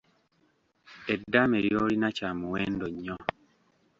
Eddaame ly’olina kya muwendo nnyo.